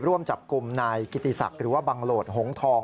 ร่วมจับกลุ่มนายกิติศักดิ์หรือว่าบังโหลดหงทอง